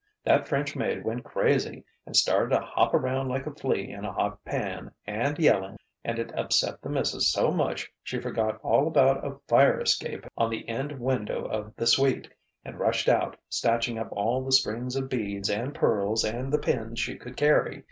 That French maid went crazy and started to hop around like a flea in a hot pan, and yelling, and it upset the missus so much she forgot all about a fire escape on the end window of the suite, and rushed out, snatching up all the strings of beads and pearls and the pins she could carry.